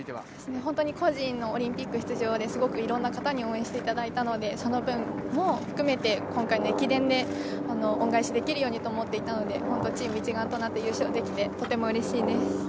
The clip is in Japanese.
個人のオリンピック出場をすごくいろんな方に応援していただいたので、その分も含めて今回の駅伝で恩返しできるようにと思っていたので本当にチーム一丸となって優勝できて、とてもうれしいです。